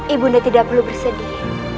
ibu nda tidak perlu bersedih